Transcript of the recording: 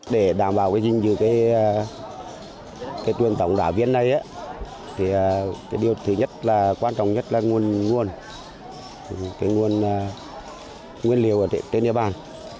để đảm bảo cái dinh dự cái tuyên tổng đảo viên này thì điều thứ nhất là quan trọng nhất là nguồn nguyên liều ở trên địa bàn